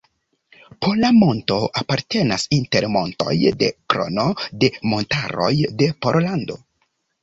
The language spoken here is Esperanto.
Pola monto apartenas inter montoj de Krono de montaroj de Pollando.